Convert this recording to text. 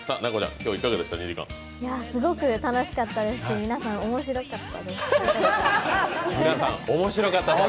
今日、すごく楽しかったですし、皆さん、面白かったです。